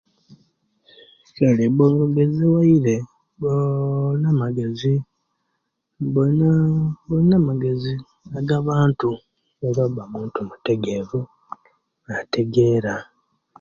Kale oba ogeziwaire oba ooh olina amagezi oba olina amagezi gabantu era oba muntu mutegevu ategera